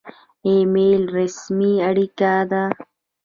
ایمیل رسمي اړیکه ده